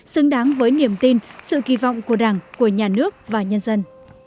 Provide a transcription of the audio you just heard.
xứng đáng với niềm tin sự kỳ vọng của đảng của nhà nước và nhân dân